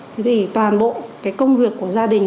thế thì toàn bộ cái công việc của gia đình